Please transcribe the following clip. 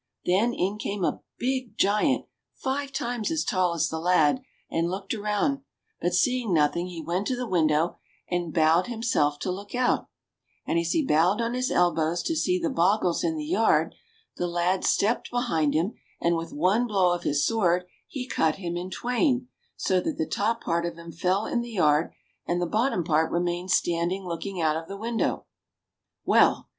Then in came a big giant five times as tall as the lad, and looked around ; but seeing nothing he went to the window and bowed him self to look out ; and as he bowed on his elbows to see the bogles in the yard, the lad stepped behind him, and with one blow of his sword he cut him in twain, so that the top THE GOLDEN BALL 113 part of him fell in the yard, and the bottom part remained standing looking out of the window. Well